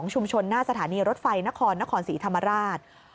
ชุมชนหน้าสถานีรถไฟนครนครศรีธรรมราช